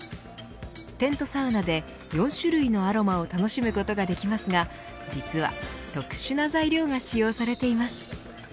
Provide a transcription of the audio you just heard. テントサウナで４種類のアロマを楽しむことができますが実は特殊な材料が使用されています。